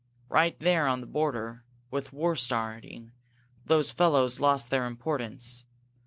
Right there on the border, with war starting, those fellows lost their importance.